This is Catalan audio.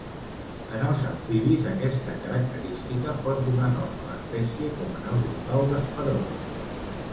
En els amfibis aquesta característica pot donar nom a l'espècie com en el gripau d'esperons.